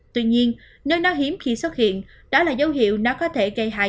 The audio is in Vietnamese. tuy nhiên nơi nó hiếm khi xuất hiện đó là dấu hiệu nó có thể gây hại